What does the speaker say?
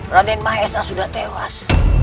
raden maesa sudah tewas